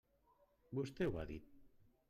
Vostè ho ha dit.